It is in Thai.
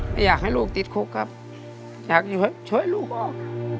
ไม่อยากให้ลูกติดคุกครับอยากช่วยลูกออก